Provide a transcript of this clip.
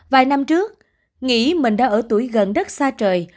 vài năm trước nghĩ mình đã ở tuổi gần rất xa trời